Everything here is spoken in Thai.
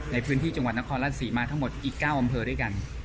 ในพื้นที่จังหวัดนครราชศรีมาทั้งหมดอีก๙อำเภอด้วยกัน